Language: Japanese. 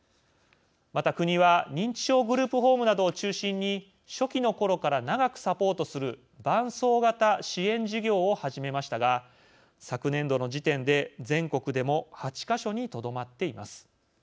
また、国は認知症グループホームなどを中心に、初期のころから長くサポートする伴走型支援事業を始めましたが昨年度の時点で、全国でも８か所にとどまっています。